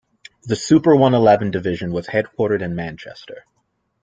The Super One-Eleven division was headquartered in Manchester.